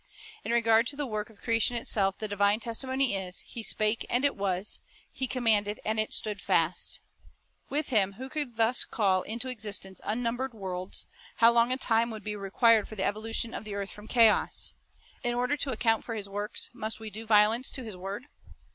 In regard to the work of creation itself the divine testimony is, "He spake, and it was; He commanded, and it stood fast.' ,;i With Him who could thus call into existence unnum bered worlds, how long a time would be required for the evolution of the earth from chaos? In order to account for His works, must we do violence to His word?